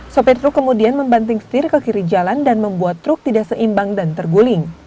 sopir truk kemudian membanting setir ke kiri jalan dan membuat truk tidak seimbang dan terguling